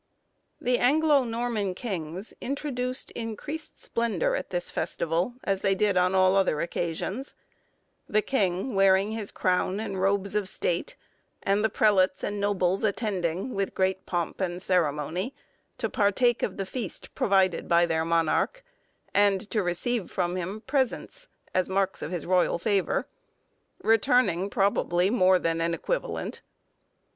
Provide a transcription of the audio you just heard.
THE Anglo Norman kings introduced increased splendour at this festival, as they did on all other occasions; the king wearing his crown and robes of state, and the prelates and nobles attending, with great pomp and ceremony, to partake of the feast provided by their monarch, and to receive from him presents, as marks of his royal favour; returning, probably, more than an equivalent.